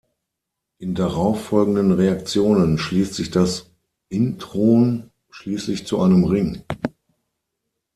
In darauf folgenden Reaktionen schließt sich das Intron schließlich zu einem Ring.